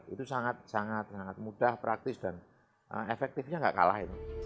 itu sangat sangat mudah praktis dan efektifnya enggak kalah